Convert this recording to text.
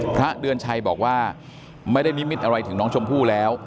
พระเดือนชัยบอกว่าไม่ได้นิมิตอะไรถึงน้องชมพู่แล้ว